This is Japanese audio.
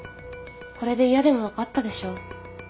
これで嫌でも分かったでしょ？